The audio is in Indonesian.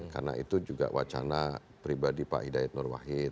karena itu juga wacana pribadi pak hidayat nurwahid